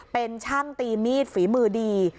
เป็นช่างตีมีดฝีมือดี